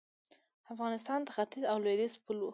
افغانستان د ختیځ او لویدیځ پل و